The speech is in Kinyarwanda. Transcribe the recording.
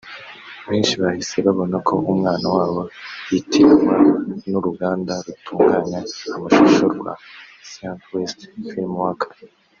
benshi bahise babona ko umwana wabo yitiranwa n’uruganda rutunganya amashusho rwa Saint West FilmWorks